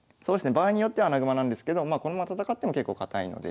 場合によっては穴熊なんですけどこのまま戦っても結構堅いので。